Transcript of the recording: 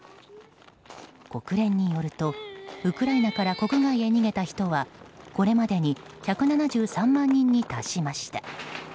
国連によるとウクライナから国外へ逃げた人はこれまでに１７３万人に達しました。